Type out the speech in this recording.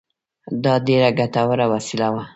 دا ډېره ګټوره وسیله وه